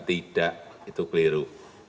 tidak itu keliru